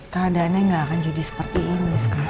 keadaannya nggak akan jadi seperti ini sekarang